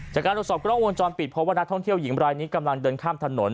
จากการตรวจสอบกล้องวงจรปิดเพราะว่านักท่องเที่ยวหญิงรายนี้กำลังเดินข้ามถนน